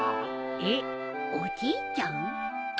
えっおじいちゃん？